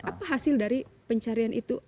apa hasil dari pencarian itu